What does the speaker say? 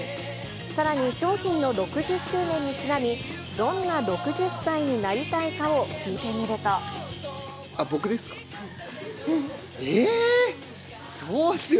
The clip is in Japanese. さらに商品の６０周年にちなみ、どんな６０歳になりたいかを聞い僕ですか？